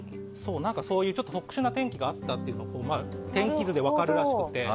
そういう特殊な天気があったというのも天気図で分かるらしくて。